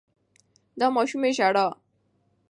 د ماشومې ژړا